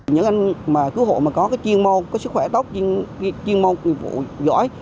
những anh cứu hộ có sức khỏe tốt chuyên môn nguyên vụ giỏi